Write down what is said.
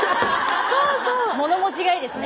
物持ちがいいですね。